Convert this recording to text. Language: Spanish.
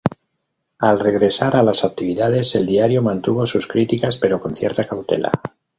Al regresar a las actividades, el diario mantuvo sus críticas, pero con cierta cautela.